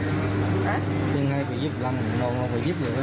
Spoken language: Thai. ถ้านั้นออกมาบอกว่านี่ค่ะถือให้การแบบนี้บอกไม่ได้มีสิ่งของอะไรผิดกฎมากไม่รู้เลย